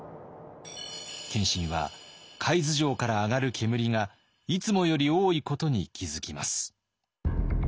謙信は海津城からあがる煙がいつもより多いことに気付きます。